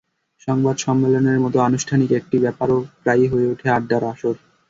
সংবাদ সম্মেলনের মতো আনুষ্ঠানিক একটা ব্যাপারও প্রায়ই হয়ে ওঠে আড্ডার আসর।